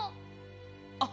あっ！